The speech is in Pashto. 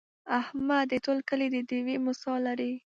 احمد د ټول کلي د ډېوې مثال لري.